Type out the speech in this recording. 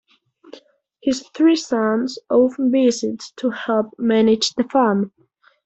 His three sons often visits to help manage the farm.